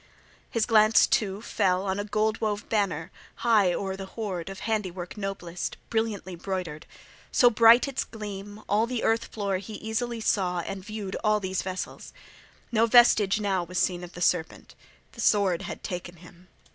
His glance too fell on a gold wove banner high o'er the hoard, of handiwork noblest, brilliantly broidered; so bright its gleam, all the earth floor he easily saw and viewed all these vessels. No vestige now was seen of the serpent: the sword had ta'en him.